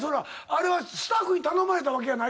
あれはスタッフに頼まれたわけやないよな？